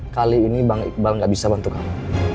kali ini bang iqbal gak bisa bantu kamu